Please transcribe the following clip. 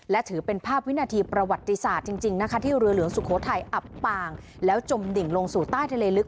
และถือเป็นภาพวินาทีประวัติศาสตร์จริงนะคะที่เรือหลวงสุโขทัยอับปางแล้วจมดิ่งลงสู่ใต้ทะเลลึก